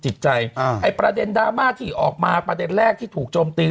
จิตใจอ่าไอ้ประเด็นดราม่าที่ออกมาประเด็นแรกที่ถูกโจมตี